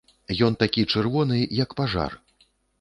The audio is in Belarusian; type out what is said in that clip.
Ён такі чырвоны, як пажар.